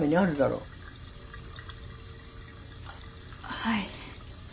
はい。